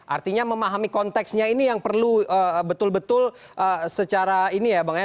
artinya memahami konteksnya ini yang perlu betul betul secara ini ya bang ya